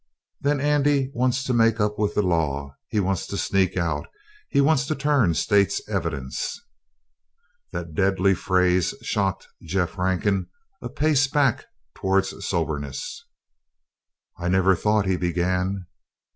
Then Andy wants to make up with the law. He wants to sneak out. He wants to turn state's evidence!" The deadly phrase shocked Jeff Rankin a pace back toward soberness. "I never thought," he began.